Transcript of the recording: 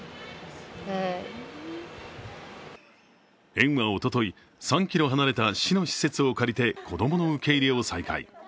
園はおととい、３ｋｍ離れた市の施設を借りて子供の受け入れを再開。